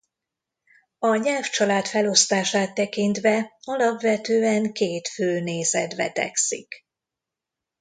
A nyelvcsalád felosztását tekintve alapvetően két fő nézet vetekszik.